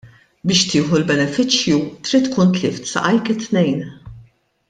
Biex tieħu l-benefiċċju trid tkun tlift saqajk it-tnejn.